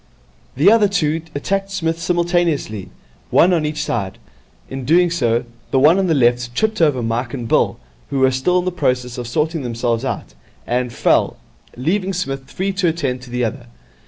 The other two attacked Psmith simultaneously, one on each side. In doing so, the one on the left tripped over Mike and Bill, who were still in the process of sorting themselves out, and fell, leaving Psmith free to attend to the other.